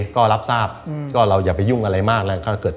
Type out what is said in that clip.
ก็รับทราบก็เราอย่าไปยุ่งอะไรมากแล้ว